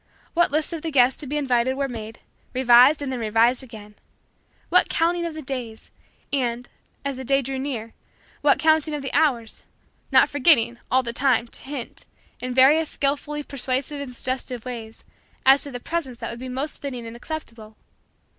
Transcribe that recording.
What lists of the guests to be invited were made, revised and then revised again! What counting of the days, and, as the day drew near, what counting of the hours; not forgetting, all the time, to hint, in various skillfully persuasive and suggestive ways, as to the presents that would be most fitting and acceptable!